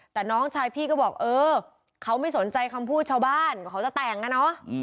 แต่น้องชายพี่ก็บอกเออเขาไม่สนใจคำพูดชาวบ้านกว่าเขาจะแต่งอะเนาะ